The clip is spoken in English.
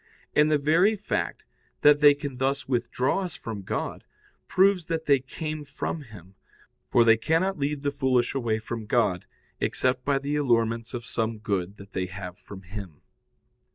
And the very fact that they can thus withdraw us from God proves that they came from Him, for they cannot lead the foolish away from God except by the allurements of some good that they have from Him.